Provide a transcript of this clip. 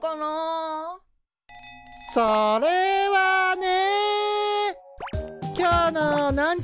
それはね。